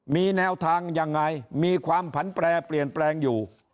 มีแนวทางยังไงมีความผันแปรเปลี่ยนแปลงอยู่